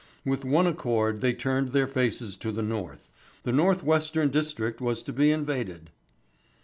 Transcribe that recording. With one accord they turned their faces to the North. The North Western district was to be invaded.